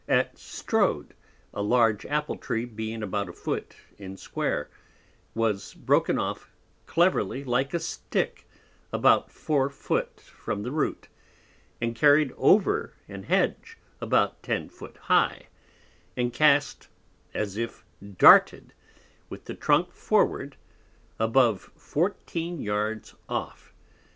At Strode, a large Apple Tree, being about a Foot in Square, was broken off cleverly like a Stick, about four Foot from the Root, and carried over an Hedge about ten Foot high; and cast, as if darted, (with the Trunk forward) above fourteen Yards off.